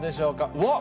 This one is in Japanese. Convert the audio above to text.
うわっ。